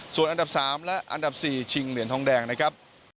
ส่วนอันดับ๓และอันดับ๔ชิงเหรียญทองแดงนะครับ